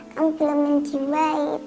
kamu belum menjiwai itu